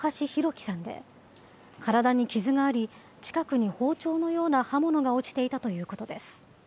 輝さんで、体に傷があり、近くに包丁のような刃物が落ちていたということです。